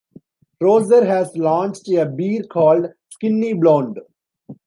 Rosser has launched a beer called "Skinny Blonde".